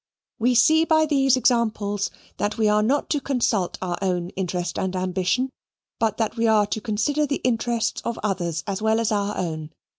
We see by these examples that we are not to consult our own interest and ambition, but that we are to consider the interests of others as well as our own.